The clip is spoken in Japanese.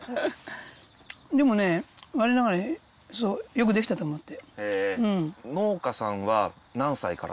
でもね我ながらによくできたと思って。